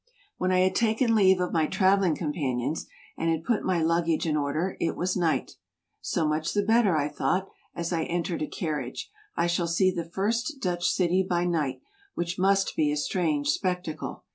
When I had taken leave of my traveling companions, and had put my luggage in order, it was night. '' So much the better, '' I thought, as I entered a carriage ;" I shall see the first Dutch city by night, which must be a strange spectacle.